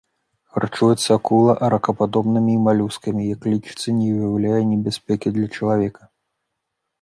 Харчуецца акула ракападобнымі і малюскамі і як лічыцца не ўяўляе небяспекі для чалавека.